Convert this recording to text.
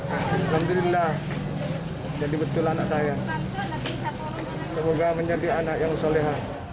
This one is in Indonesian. alhamdulillah jadi betul anak saya semoga menjadi anak yang soleha